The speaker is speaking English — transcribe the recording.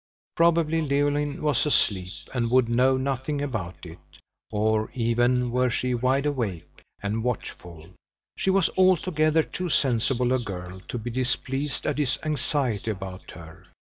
Probably Leoline was asleep, and would know nothing about it; or, even were she wide awake, and watchful, she was altogether too sensible a girl to be displeased at his anxiety about her.